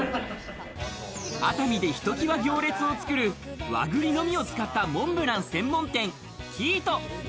熱海でひときわ行列を作る和栗のみを使ったモンブラン専門店・生糸。